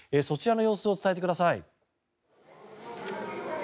そちらの様子を伝えてください。